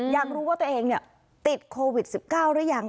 อยากรู้ว่าตัวเองเนี้ยติดโควิดสิบเก้าหรือยัง